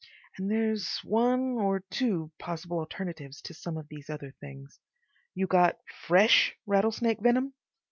And there's one or two possible alternatives to some of these other things. You got FRESH rattlesnake venom."